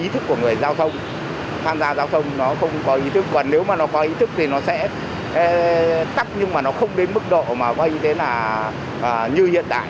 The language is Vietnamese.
thì người ta cũng không thể là